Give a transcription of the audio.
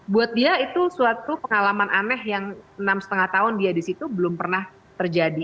buat dia itu suatu pengalaman aneh yang enam lima tahun dia di situ belum pernah terjadi